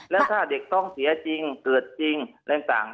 แล้วถ้าเด็กท้องเสียจริงเกิดจริงอะไรต่าง